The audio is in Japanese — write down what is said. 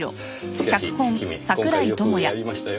しかし君今回よくやりましたよ。